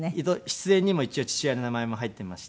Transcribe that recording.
出演にも一応父親の名前も入っていまして。